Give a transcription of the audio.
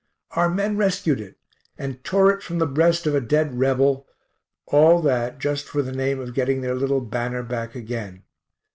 Our men rescued it, and tore it from the breast of a dead Rebel all that just for the name of getting their little banner back again.